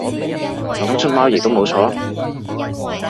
唔通出貓亦都冇錯？